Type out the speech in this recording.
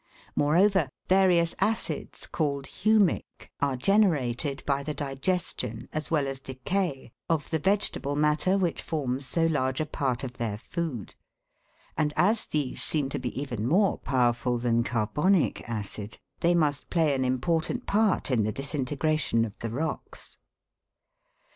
Moreover, various acids, called humic, are generated by the digestion as well as decay of the vegetable matter which forms so large a part of their food ; and as these seem to be even more powerful than carbonic acid, they must play an important part in the disintegration of the rocks.